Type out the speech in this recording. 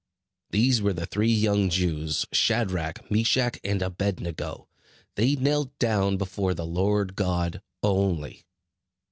These were the three young Jews, Shadrach, Meshach, and Abed nego. They knelt down before the Lord God only.